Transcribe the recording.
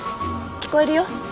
聞こえるよ。